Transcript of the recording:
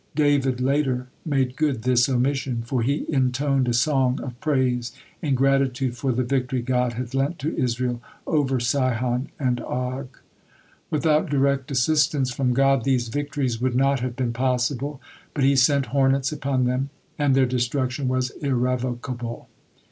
David later made good this omission, for he intoned a song of praise in gratitude for the victory God had lent to Israel over Sihon and Og. Without direct assistance from God these victories would not have been possible, but He sent hornets upon them, and their destruction was irrevocable.